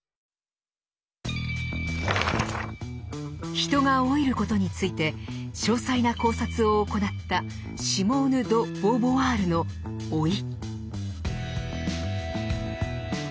人が老いることについて詳細な考察を行ったシモーヌ・ド・ボーヴォワールの「老い」。